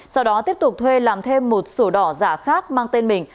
sau đó tiếp tục thuê làm thêm một sổ đỏ giả khác mang tên mình